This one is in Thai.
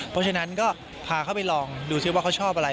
เพราะฉะนั้นก็พาเขาไปลองดูซิว่าเขาชอบอะไร